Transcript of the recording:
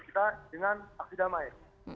kita dengan aksi damai